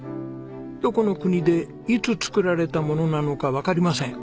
どこの国でいつ作られた物なのかわかりません。